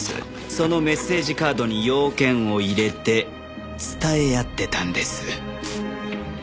そのメッセージカードに用件を入れて伝え合ってたんです。